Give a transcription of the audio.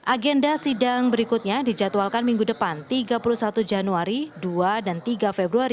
agenda sidang berikutnya dijadwalkan minggu depan tiga puluh satu januari dua dan tiga februari dua ribu dua puluh tiga